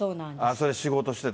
それで仕事してた。